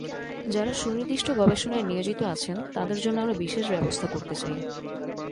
যাঁরা সুনির্দিষ্ট গবেষণায় নিয়োজিত আছেন, তাঁদের জন্য আমরা বিশেষ ব্যবস্থা করতে চাই।